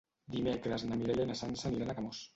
Dimecres na Mireia i na Sança aniran a Camós.